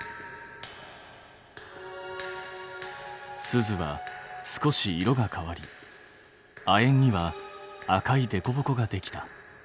スズは少し色が変わり亜鉛には赤いでこぼこができた。